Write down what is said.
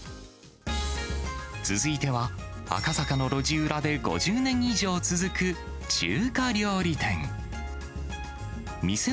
続いては、赤坂の路地裏で５０年以上続く中華料理店。